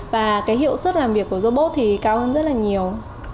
và cái hiệu suất làm việc của robot thì cao hơn rất là nhiều